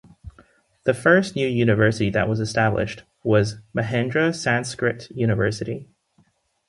The first new university that was established was Mahendra Sanskrit University.